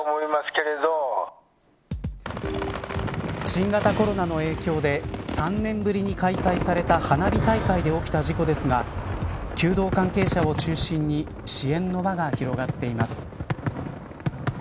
新型コロナの影響で３年ぶりに開催された花火大会で起きた事故ですが弓道関係者を中心に支援の輪が広がっています。